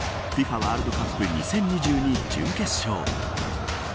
ワールドカップ２０２２準決勝。